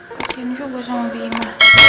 kasian juga sama bima